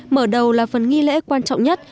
mở đầu là phần nghi lễ quan trọng nhất